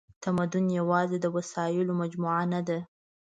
تمدن یواځې د وسایلو مجموعه نهده.